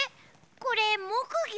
これもくぎょ？